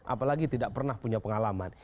apalagi tidak pernah punya pengalaman